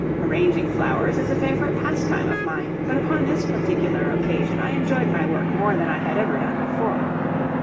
Arranging flowers is a favorite pastime of mine, but upon this particular occasion I enjoyed my work more than I had ever done before.